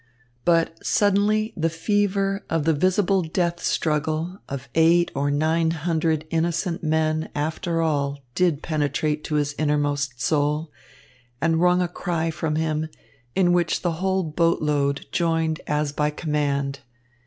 But suddenly the fever of the visible death struggle of eight or nine hundred innocent men after all did penetrate to his innermost soul, and wrung a cry from him, in which the whole boat load joined as by command.